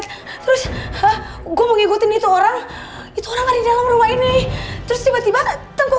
terus hah gue ngikutin itu orang itu orang di dalam rumah ini terus tiba tiba tempat